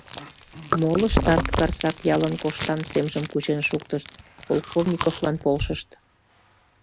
Молыштат Карсак ялын коштан семжым кучен шуктышт, Полковниковлан полшышт: